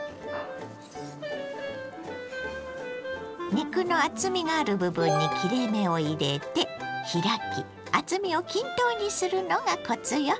肉の厚みがある部分に切れ目を入れて開き厚みを均等にするのがコツよ。